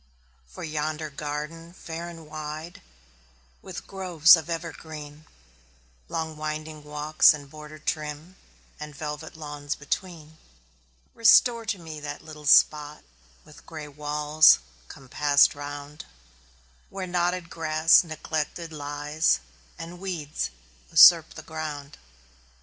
For yonder garden, fair and wide, With groves of evergreen, Long winding walks, and borders trim, And velvet lawns between; Restore to me that little spot, With gray walls compassed round, Where knotted grass neglected lies, And weeds usurp the ground.